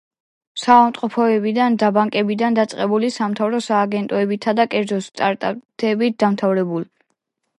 საავადმყოფოებიდან და ბანკებიდან დაწყებული, სამთავრობო სააგენტოებითა და კერძო სტარტაპებით დამთავრებული.